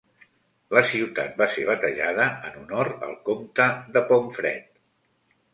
La ciutat va ser batejada en honor al Comte de Pomfret.